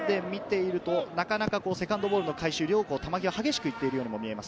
ここまで見ていると、なかなかセカンドボールの回収力を球際、激しく行っているように見えます。